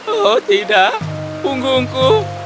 oh tidak punggungku